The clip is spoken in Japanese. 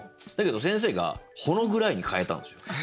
だけど先生が「仄暗い」に変えたんですよ。